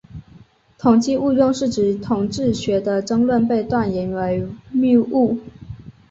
统计误用是指统计学的争论被断言为谬误。